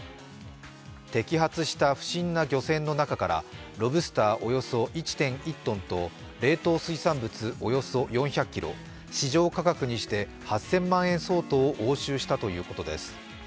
摘発した不審な漁船の中からロブスターおよそ１．１ｔと冷凍水産物およそ４００ｋｇ、市場価格にしておよそ８０００万円を押収したということです。